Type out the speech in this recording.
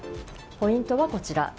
ポイントはこちら。